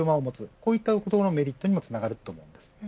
こういったことのメリットにもつながると思います。